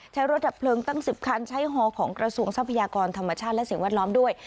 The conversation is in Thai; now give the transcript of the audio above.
ใช้รถดับเพลิงตั้ง๑๐คันใช้ฮอของกระทรวงทรัพยากรธรรมชาติและสิ่งแวดล้อมด้วย